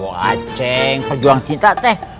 waceng pejuang cinta teh